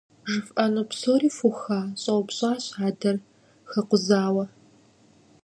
— ЖыфӀэну псори фуха? — щӀэупщӀащ адэр, хэкъузауэ.